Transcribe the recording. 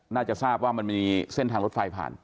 น่าจะทราบว่ามันมีเส้นทางรถไฟผ่าน